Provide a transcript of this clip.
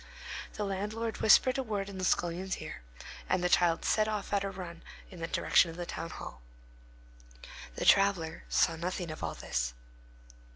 The landlord whispered a word in the scullion's ear, and the child set off on a run in the direction of the town hall. The traveller saw nothing of all this.